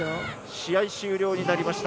試合終了になりました。